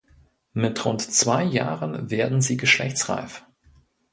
Mit rund zwei Jahren werden sie geschlechtsreif.